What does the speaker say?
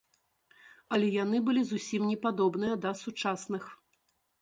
Але яны былі зусім не падобныя да сучасных.